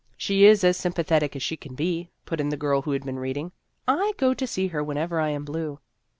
" She is as sympathetic as she can be," put in the girl who had been reading. " I go to see her whenever I am blue."